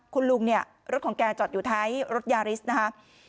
คุณลุงเนี่ยรถของแกจอดอยู่ท้ายรถยาริสนะคะ